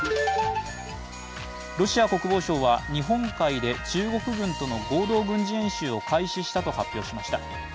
ロシア国防省は日本海で中国軍との合同軍事演習を開始したと発表しました。